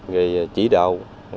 về chỉ đạo